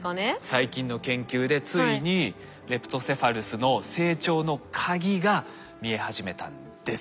最近の研究でついにレプトセファルスの成長のカギが見え始めたんです。